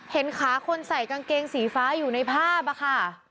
เห็นขาคนใส่กางเกงสีฟ้าอยู่ในภาพอะค่ะ